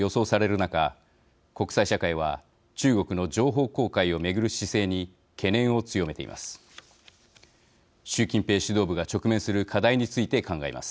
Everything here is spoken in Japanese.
中国際社会は中国の情報公開を巡る姿勢に懸念を強めています。